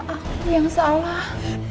aku yang salah